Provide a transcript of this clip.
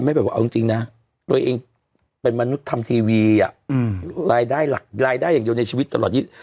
เอาจริงจริงนะตัวเองเป็นมรุุนทำทีวีอ่าอืมรายได้หลักรายได้อย่างเดียวในชีวิตตลอดยิด